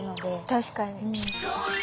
確かに。